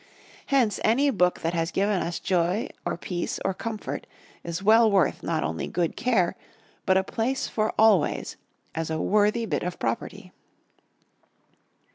Hence any book that has given us joy or peace or comfort is well worth not only good care, but a place for always; as a worthy bit of property.